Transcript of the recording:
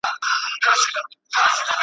د ملالي دننګ چيغي ,